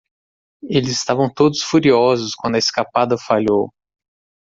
Eles estavam todos furiosos quando a escapada falhou.